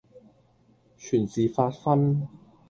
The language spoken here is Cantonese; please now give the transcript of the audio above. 全是發昏；